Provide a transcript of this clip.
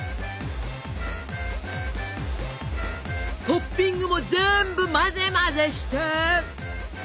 トッピングも全部混ぜ混ぜして！